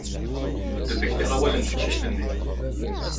Ad d-mmektiɣ awal n teqcict-nni.